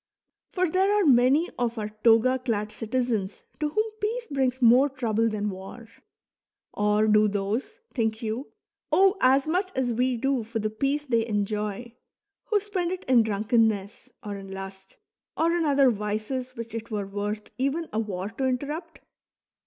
For there are manv of our toga clad citizens to whom peace brings more trouble than war. Or do those, think vou, owe as much as we do for the peace thev enjov, who spend it in drunkenness, or in lust, or in other Wees which it were worth even a war to interrupt